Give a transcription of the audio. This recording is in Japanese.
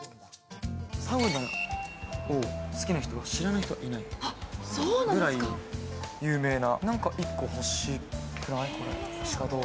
サウナが好きな人は知らない人はいないぐらい有名な。